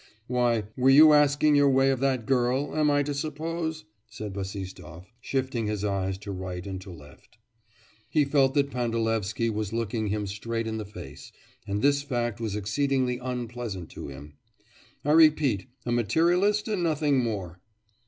'Why, were you asking your way of that girl, am I to suppose?' said Bassistoff, shifting his eyes to right and to left. He felt that Pandalevsky was looking him straight in the face, and this fact was exceedingly unpleasant to him. 'I repeat, a materialist and nothing more.